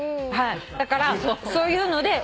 だからそういうのでお尻の。